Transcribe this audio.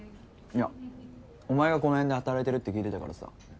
いやお前がこの辺で働いてるって聞いてたからさ